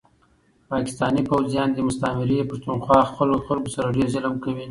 پاکستاني پوځيان دي مستعمري پښتونخوا خلکو سره ډير ظلم کوي